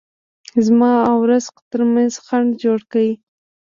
زما او رزق ترمنځ خنډ جوړ کړي.